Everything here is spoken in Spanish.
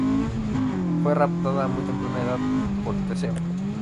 Fue raptada a muy temprana edad por Teseo.